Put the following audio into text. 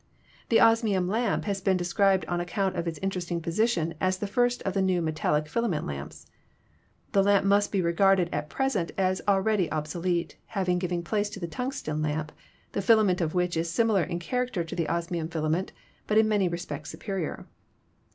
The osmium lamp has been described on account of its interesting position as the first of the new metallic fila ment lamps. The lamp must be regarded at present as al ready obsolete, having given place to the tungsten lamp, the filament of which is similar in character to the osmium filament, but in many respects superior.